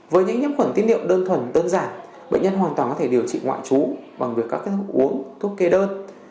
với những nhiễm khuẩn tín niệm đơn thuần đơn giản bệnh nhân hoàn toàn có thể điều trị ngoại trú bằng việc các thức uống thuốc kê đơn